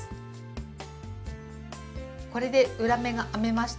これで裏目が編めました。